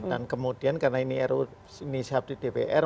dan kemudian karena ini ruu inisiatif dpr